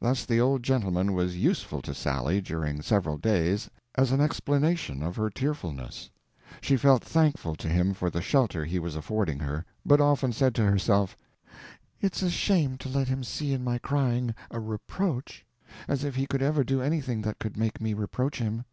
Thus, the old gentleman was useful to Sally, during several days, as an explanation of her tearfulness. She felt thankful to him for the shelter he was affording her, but often said to herself, "It's a shame to let him see in my crying a reproach—as if he could ever do anything that could make me reproach him!